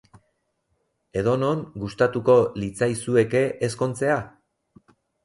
Edo non gustatuko litzaizueke ezkontzea?